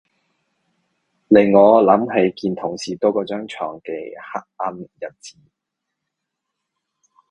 令我諗起見同事多過張牀嘅黑暗日子